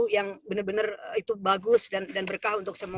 yang benar benar itu bagus dan berkah untuk semua